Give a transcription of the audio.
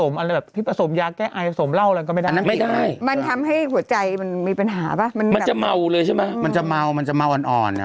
มันจะเมาแล้วใช่ไหมเออมันจะเมามันจะเมาออนเนี่ย